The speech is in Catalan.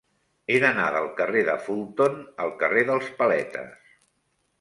He d'anar del carrer de Fulton al carrer dels Paletes.